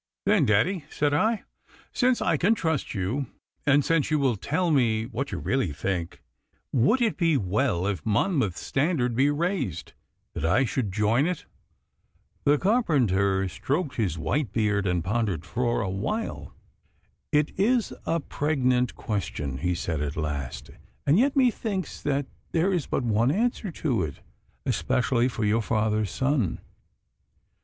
'Then, daddy,' said I, 'since I can trust you, and since you will tell me what you do really think, would it be well, if Monmouth's standard be raised, that I should join it?' The carpenter stroked his white beard and pondered for a while. 'It is a pregnant question,' he said at last, 'and yet methinks that there is but one answer to it, especially for your father's son.